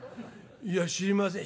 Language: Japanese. いや知りません」。